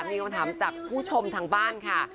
มีคำถามจากผู้ชมทางบ้านค่ะ